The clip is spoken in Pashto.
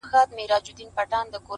یار له جهان سره سیالي کوومه ښه کوومه-